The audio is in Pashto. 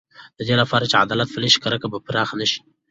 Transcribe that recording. د دې لپاره چې عدالت پلی شي، کرکه به پراخه نه شي.